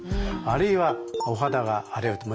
あるいはお肌が荒れると。